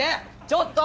ちょっと！